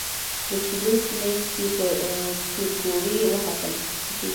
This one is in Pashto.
د چلې منځ کې په چورګوړي وختم.